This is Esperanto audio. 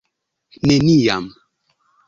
Neniam.